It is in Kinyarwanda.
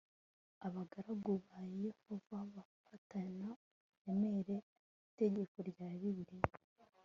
Abagaragu ba Yehova bafatana uburemere itegeko rya Bibiliya